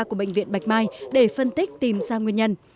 của bệnh viện bạch mai để phân tích tìm ra nguyên nhân